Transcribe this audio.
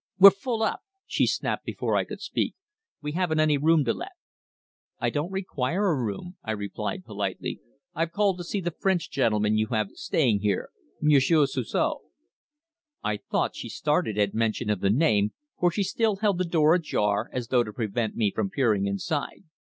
"We're full up," she snapped before I could speak. "We haven't any room to let." "I don't require a room," I replied politely. "I've called to see the French gentleman you have staying here Monsieur Suzor." I thought she started at mention of the name, for she still held the door ajar as though to prevent me from peering inside.